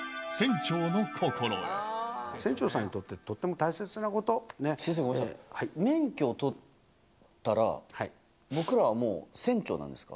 船長さんにとって、先生、ごめんなさい、免許を取ったら、僕らはもう船長なんですか？